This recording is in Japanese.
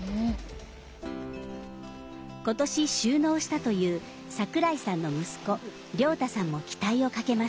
今年就農したという桜井さんの息子亮太さんも期待をかけます。